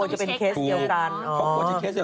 เหงื่อของจะเป็นเคสเดียวกัน